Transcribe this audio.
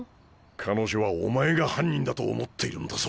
彼女はお前が犯人だと思っているんだぞ。